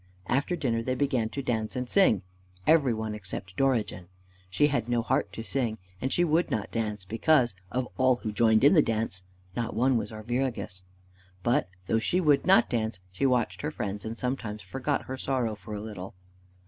After dinner they began to dance and sing every one except Dorigen. She had no heart to sing, and she would not dance because, of all who joined in the dance, not one was Arviragus. But, though she would not dance, she watched her friends and sometimes forgot her sorrow for a little.